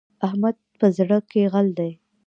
احمد په زړه کې غل دی.